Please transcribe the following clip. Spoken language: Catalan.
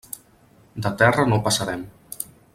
De terra no passarem.